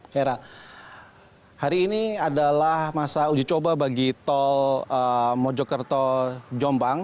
hera hari ini adalah masa uji coba bagi tol mojokerto jombang